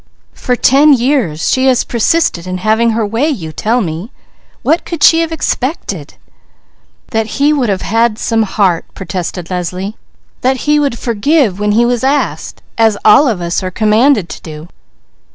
"For ten years, she has persisted in having her way, you tell me; what could she have expected?" "That he would have some heart," protested Leslie. "That he would forgive when he was asked, as all of us are commanded to."